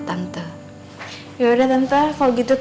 tante kalo misalkan tante pengen kerja